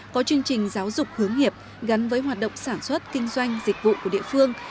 có chương trình giáo dục hướng nghiệp gắn với hoạt động sản xuất kinh doanh dịch vụ của địa phương